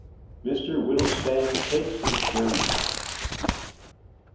MR WHITTLESTAFF TAKES HIS JOURNEY.